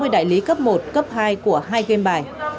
một trăm sáu mươi đại lý cấp một cấp hai của hai game bài